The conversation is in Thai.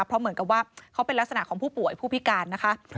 เพราะเหมือนกับว่าเขาเป็นลักษณะของผู้ป่วยผู้พิการนะคะ